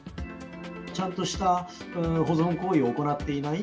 ちゃんとした保存行為を行っていない。